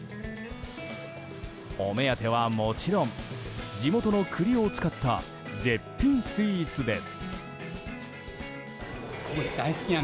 お目当てはもちろん地元の栗を使った絶品スイーツです。